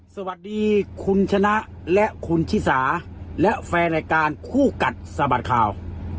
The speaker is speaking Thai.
สวัสดีคุณชนะและคุณชิสาและแฟนรายการคู่กัดสะบัดข่าว